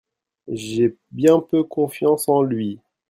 J'ai bien peu confiance en lui.